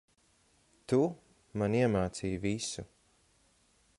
Tu, man iemācīji visu.